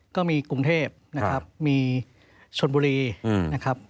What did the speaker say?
กรุงเทพนะครับมีชนบุรีนะครับ